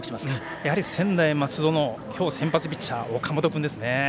やはり専大松戸の今日の先発ピッチャー、岡本君ですね。